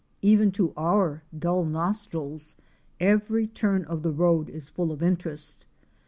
Even to our dull nostrils every turn of the road is full of interest.